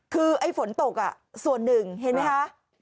คือไอ้ฝนตกส่วนหนึ่งเห็นไหมคะ